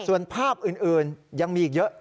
ส่วนภาพอื่นยังมีอีกเยอะ